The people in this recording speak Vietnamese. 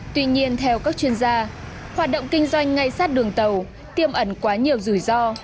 tuy nhiên theo các chuyên gia hoạt động kinh doanh ngay sát đường tàu tiêm ẩn quá nhiều rủi ro